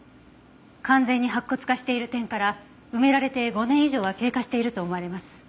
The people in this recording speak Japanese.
完全に白骨化している点から埋められて５年以上は経過していると思われます。